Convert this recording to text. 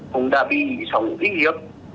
cũng đã bị sống nguy hiểm